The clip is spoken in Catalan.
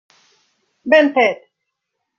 Ben fet.